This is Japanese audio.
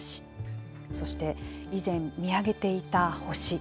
そして、以前見上げていた「星」。